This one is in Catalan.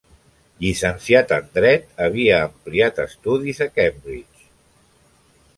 Llicenciat en Dret, havia ampliat estudis a Cambridge.